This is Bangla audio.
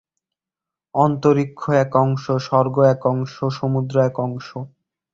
অন্তরীক্ষ এক অংশ, স্বর্গ এক অংশ, সমুদ্র এক অংশ।